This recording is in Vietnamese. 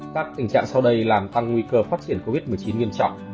các tình trạng sau đây làm tăng nguy cơ phát triển covid một mươi chín nghiêm trọng